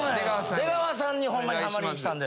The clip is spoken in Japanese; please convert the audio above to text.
出川さんにホンマにハマりに来たんで。